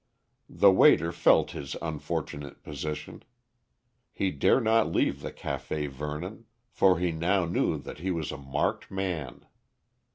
The waiter felt his unfortunate position. He dare not leave the Café Vernon, for he now knew that he was a marked man.